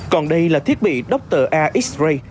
còn đây là thiết bị dr a x ray